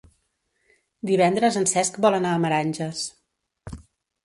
Divendres en Cesc vol anar a Meranges.